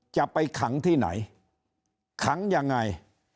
จะไปขังที่ไหนขังยังไง